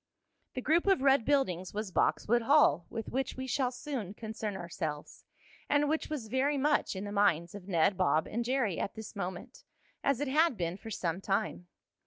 The group of red buildings was Boxwood Hall with which we shall soon concern ourselves, and which was very much in the minds of Ned, Bob and Jerry at this moment, as it had been for some time.